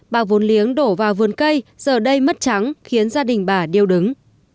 bà vốn liếng đổ vào vườn cây giờ đây mất trắng khiến gia đình bà điêu đứng